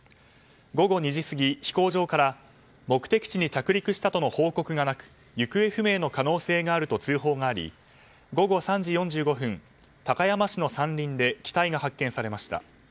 午後２時過ぎ、飛行場から目的地に着陸したとの報告がなく行方不明の可能性があると通報があり午後３時４５分、高山市の山林で機体が発見されました。